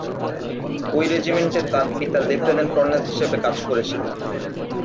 ঐ রেজিমেন্টে তার পিতা লেফট্যানেন্ট কর্নেল হিসেবে কাজ করেছিলেন।